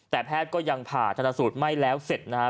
แต่แพทย์ก็ยังผ่าจรรพสูตรไห้ไม่แล้วเสร็จนะฮะ